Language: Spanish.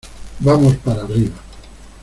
vamos para arriba.